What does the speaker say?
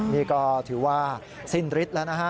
นี่ก็ถือว่าสิ้นฤทธิ์แล้วนะฮะ